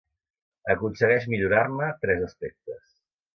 Aconsegueix millorar-ne tres aspectes.